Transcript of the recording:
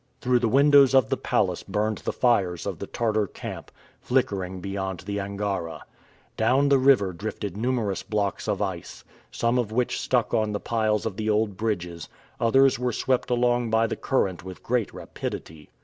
Through the windows of the palace burned the fires of the Tartar camp, flickering beyond the Angara. Down the river drifted numerous blocks of ice, some of which stuck on the piles of the old bridges; others were swept along by the current with great rapidity.